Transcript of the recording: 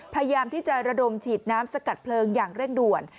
พยายามที่จะระดมฉีดน้ำสกัดเพลิงอย่างเร่งด่วน